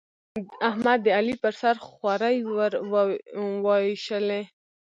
احمد، د علي پر سر خورۍ ور واېشولې.